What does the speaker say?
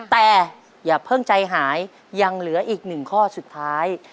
แต่อย่าเพิ่งใจหายยังเหลืออีกหนึ่งข้อสุดท้าย